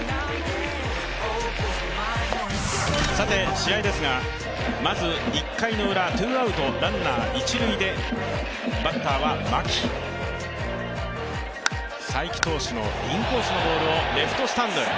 試合ですが、まず１回ウラツーアウトランナー、一塁でバッターは牧、才木投手のインコースのボールをレフトスタンドへ。